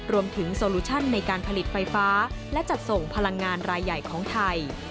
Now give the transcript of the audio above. รวมถึงโซลูชั่นในการผลิตไฟฟ้าและจัดส่งพลังงานรายใหญ่ของไทย